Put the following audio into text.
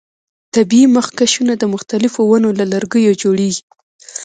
طبیعي مخکشونه د مختلفو ونو له لرګیو جوړیږي.